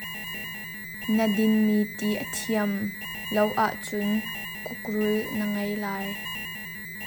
Na dinmi ti a thiam lo ahcun khukrul na ngei lai.